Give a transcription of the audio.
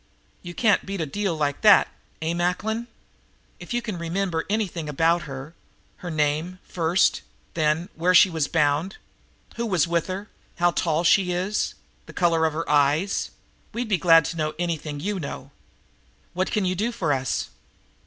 "You can't beat a deal like that, eh, Macklin? If you can remember anything about her, her name first, then, where she was bound, who was with her, how tall she is, the color of her eyes, we'd be glad to know anything you know. What can you do for us?"